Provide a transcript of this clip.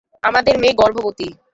আমাদের মেয়ে গর্ভবতী।